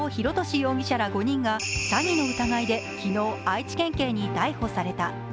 容疑者ら５人が詐欺の疑いで昨日、愛知県警に逮捕された。